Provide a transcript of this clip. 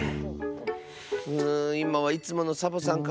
うんいまはいつものサボさんか。